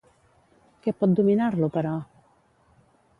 Què pot dominar-lo, però?